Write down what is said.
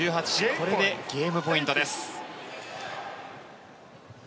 これでゲームポイントです。